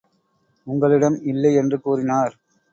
உங்களிடம் இல்லை என்று கூறினார்.